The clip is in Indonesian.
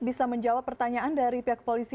bisa menjawab pertanyaan dari pihak polisi